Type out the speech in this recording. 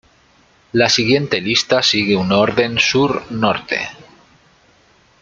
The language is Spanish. La siguiente lista sigue un orden sur-norte.